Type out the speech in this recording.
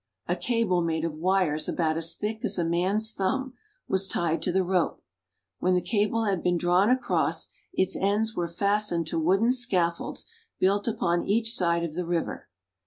A cable made of wires about as thick as a man's thumb was tied to the rope. When the cable had been drawn across, its ends were fastened to wooden scaffolds built upon each side of the river.